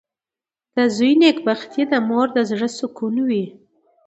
• د زوی نېکبختي د مور د زړۀ سکون وي.